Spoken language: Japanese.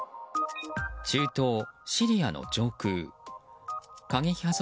中東シリアの上空。